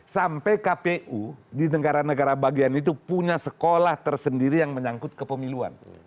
sampai kpu di negara negara bagian itu punya sekolah tersendiri yang menyangkut kepemiluan